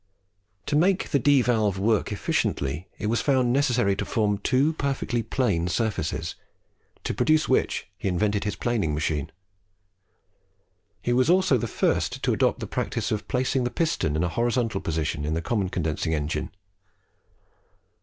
To make the D valve work efficiently, it was found necessary to form two perfectly plane surfaces, to produce which he invented his planing machine. He was also the first to adopt the practice of placing the piston in a horizontal position in the common condensing engine.